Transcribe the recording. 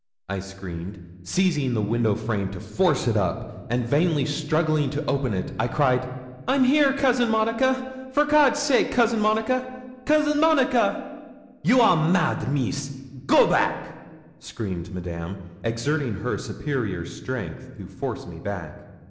I screamed, seizing the window frame to force it up, and, vainly struggling to open it, I cried 'I'm here, Cousin Monica. For God's sake, Cousin Monica Cousin Monica!' 'You are mad, Meess go back,' screamed Madame, exerting her superior strength to force me back.